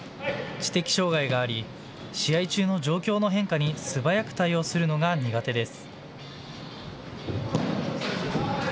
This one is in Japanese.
知的障害があり、試合中の状況の変化に素早く対応するのが苦手です。